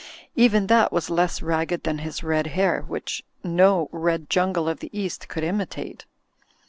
Even that was less ragged than his red hair, which no red jimgle of the East could imitate.